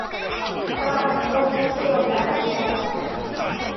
ここから勝率九割なら優勝だ